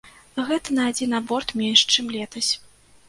Гэта на адзін аборт менш, чым летась.